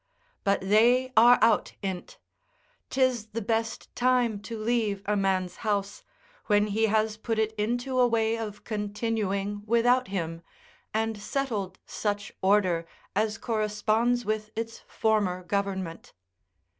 But they are out in't; 'tis the best time to leave a man's house, when he has put it into a way of continuing without him, and settled such order as corresponds with its former government.